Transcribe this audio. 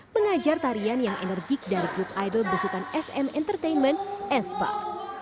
mengajar tarian yang enerjik dari grup idol besukan sm entertainment s pop